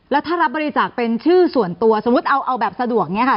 แล้วถ้ารับบริจาคเป็นชื่อส่วนตัวสมมุติเอาแบบสะดวกเนี่ยค่ะ